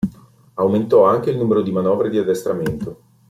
Aumentò anche il numero di manovre di addestramento.